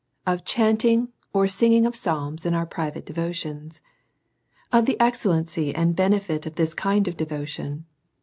Of chanting or singing of Psalms in our private De votions. Of the excellency and benefit of this kind of Devotion.